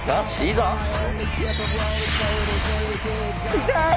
行きたい！